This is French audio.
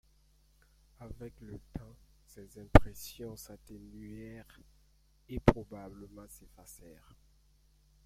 Avec le temps, ces impressions s’atténuèrent, et probablement s’effacèrent.